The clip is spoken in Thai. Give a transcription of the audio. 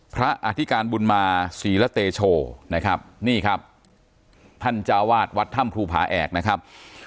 อธิการบุญมาศรีละเตโชนะครับนี่ครับท่านเจ้าวาดวัดถ้ำภูผาแอกนะครับ